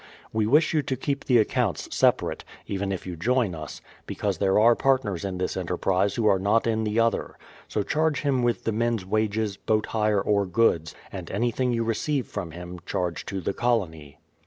We wish you to keep the accounts separate, even if you join us, because there are partners in this enterprise who are not in the other; so charge him with men's wages, boat hire, or goods; and anything you receive from him, charge to the colony.